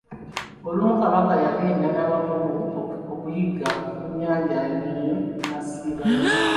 Olumu Kabaka yagenda n'abakungu okuyigga ku nnyanja e Munyonyo n'asiibayo.